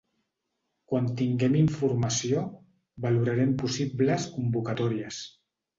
Quan tinguem informació, valorarem possibles convocatòries.